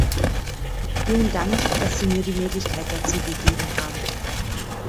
Vielen Dank, dass Sie mir die Möglichkeit dazu gegeben haben!